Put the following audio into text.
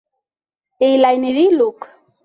এই লাইনেরই লোক।